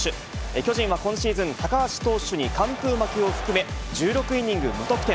巨人は今シーズン、高橋投手に完封負けを含め、１６イニング無得点。